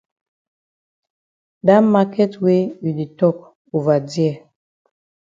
Dat maket wey you di tok ova dear.